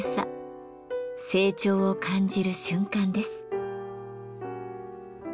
成長を感じる瞬間です。